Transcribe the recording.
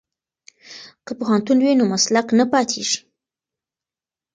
که پوهنتون وي نو مسلک نه پاتیږي.